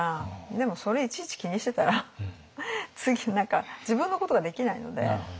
でもそれいちいち気にしてたら次何か自分のことができないので。